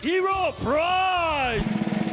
ฮีโร่พร้อม